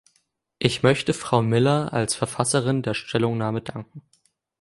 Ich möchte Frau Myller als Verfasserin der Stellungnahme danken.